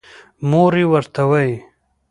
مور يې ورته وايې